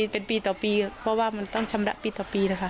เป็นปีต่อปีเพราะว่ามันต้องชำระปีต่อปีนะคะ